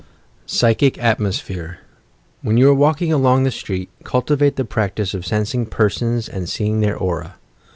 PSYCHIC ATMOSPHEHE When you are walking along the street, cultivate the practice of sensing persons, and seeing their aura.